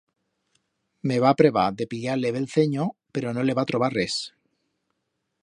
Me va prebar de pillar-le bell cenyo, pero no le va trobar res.